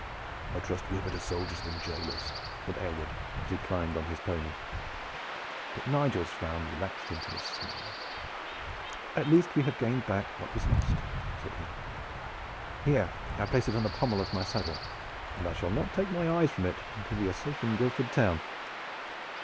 "I trust that we are better soldiers than jailers," said Aylward, as he climbed on his pony. But Nigel's frown relaxed into a smile. "At least we have gained back what we lost," said he. "Here I place it on the pommel of my saddle, and I shall not take my eyes from it until we are safe in Guildford town."